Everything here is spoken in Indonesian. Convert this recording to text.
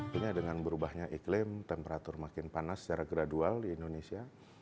artinya dengan berubahnya iklim temperatur makin panas secara gradual di indonesia